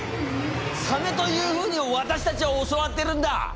サメというふうに私たちは教わっているんだ！